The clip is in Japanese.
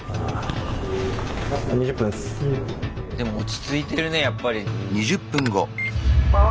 でも落ち着いてるねやっぱり。